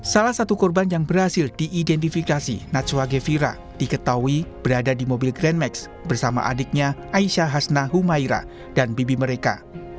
salah satu korban yang berhasil diidentifikasi najwa gevira diketahui berada di mobil grand max bersama adiknya aisyah hasna humaira dan bibi mereka